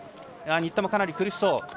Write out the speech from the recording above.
新田もかなり苦しそう。